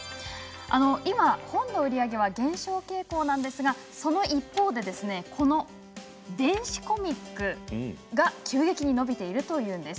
今、本の売り上げは減少傾向なんですがその一方で電子コミックが急激に伸びています。